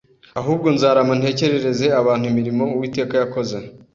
ahubwo nzarama ntekerereze abantu imirimo uwiteka yakoze